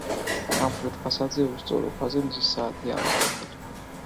სამხრეთ ფასადზე უსწორო ქვაზე მზის საათია ამოკვეთილი.